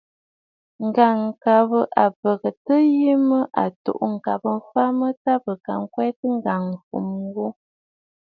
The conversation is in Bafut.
Ŋ̀gàŋkabə àbɔ̀ŋəntɨɨ yì mɔ̀ʼɔ à tù'û ŋ̀kabə mfa mə bɨ ka ŋkwɛtə ŋgàŋâfumə ghu.